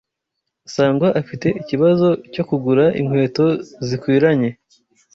Sangwa afite ikibazo cyo kugura inkweto zikwiranye.